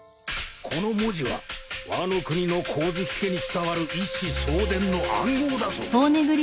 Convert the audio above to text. この文字はワノ国の光月家に伝わる一子相伝の暗号だぞ。